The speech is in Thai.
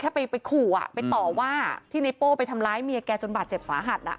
ไปขู่อ่ะไปต่อว่าที่ไนโป้ไปทำร้ายเมียแกจนบาดเจ็บสาหัส